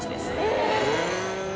へえ。